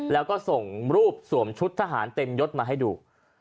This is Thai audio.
แล้วก็ส่งรูปสวมชุดทหารเต็มยศมาให้ดู